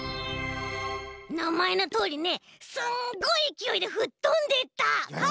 なまえのとおりねすんごいいきおいでふっとんでった！